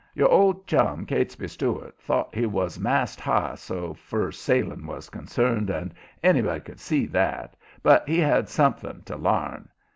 Your old chum, Catesby Stuart, thought he was mast high so fur's sailing was concerned, anybody could see that, but he had something to larn.